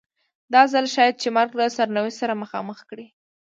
دا ځل شاید چې مرګ له سرنوشت سره مخامخ کړي.